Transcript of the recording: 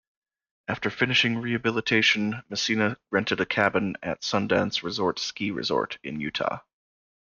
After finishing rehabilitation, Messina rented a cabin at Sundance Resort Ski Resort in Utah.